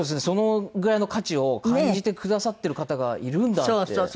そのぐらいの価値を感じてくださってる方がいるんだって。